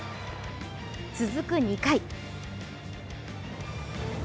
続く２回。